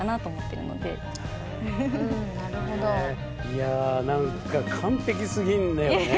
いやなんか完璧すぎんだよね。